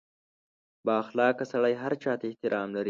• بااخلاقه سړی هر چا ته احترام لري.